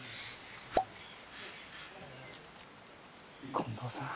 近藤さん。